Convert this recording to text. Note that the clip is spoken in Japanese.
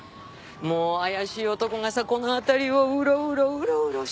もう怪しい男がさこの辺りをウロウロウロウロしてたのよ。